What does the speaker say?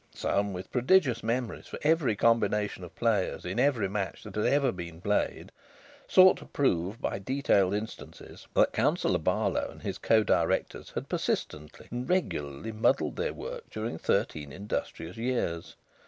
Some, with prodigious memories for every combination of players in every match that had ever been played, sought to prove by detailed instances that Councillor Barlow and his co Directors had persistently and regularly muddled their work during thirteen industrious years.